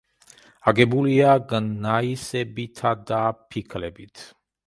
აგებულია გნაისებითა და ფიქლებით.